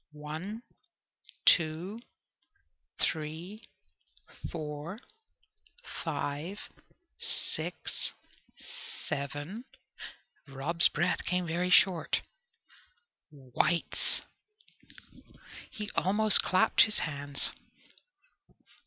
"One, two, three, four, five, six, seven" Rob's breath came very short "whites!" He almost clapped his hands.